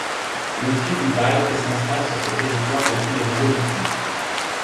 Une tribu baltes s'installe sur ce territoire depuis le Mésolithique.